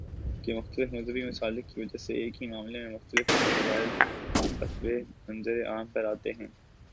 کہ مختلف مذہبی مسالک کی وجہ سے ایک ہی معاملے میں مختلف اور متضاد فتوے منظرِ عام پر آتے ہیں